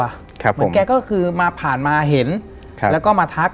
เหมือนแกก็คือมาผ่านมาเห็นครับแล้วก็มาทัก